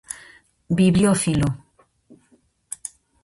Bibliófilo.